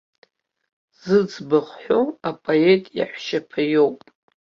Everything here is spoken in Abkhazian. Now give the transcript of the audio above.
Зыӡбахә ҳәоу апоет иаҳәшьаԥа иоуп.